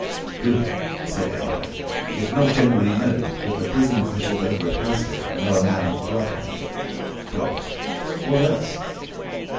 "Good," said Adye. "It's not generally known, but the prison officials over at Halstead know a man with bloodhounds. Dogs. What else?"